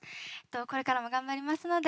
これからも頑張りますので応援